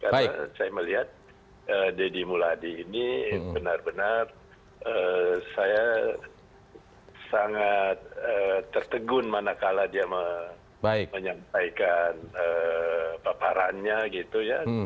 karena saya melihat deddy muladi ini benar benar saya sangat tertegun mana kala dia menyampaikan paparannya gitu ya